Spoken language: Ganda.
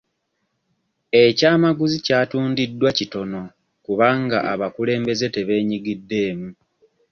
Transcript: Ekyamaguzi kyatundiddwa kitono kubanga abakulembeze tebeenyigiddemu.